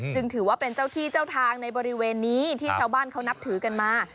ถือว่าเป็นเจ้าที่เจ้าทางในบริเวณนี้ที่ชาวบ้านเขานับถือกันมา